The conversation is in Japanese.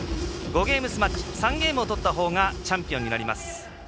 ５ゲームスマッチ３ゲームを取ったほうがチャンピオンになります。